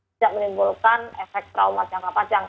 tidak menimbulkan efek traumat jangka panjang